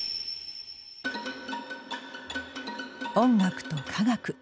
音楽と科学。